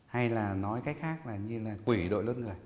hay là nói cách khác là như là quỷ đội lốt người